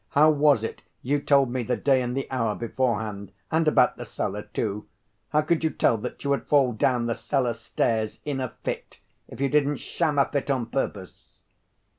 How was it you told me the day and the hour beforehand, and about the cellar, too? How could you tell that you would fall down the cellar stairs in a fit, if you didn't sham a fit on purpose?"